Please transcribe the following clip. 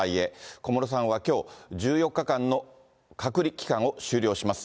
小室さんはきょう、１４日間の隔離期間を終了します。